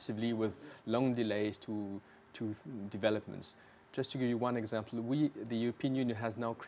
hal yang telah dilaksanakan selama bertahun tahun